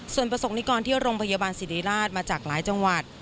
ส่วนประสงค์นิกรที่โรงพยาบาลสิริราชมาจากหลายจังหวัด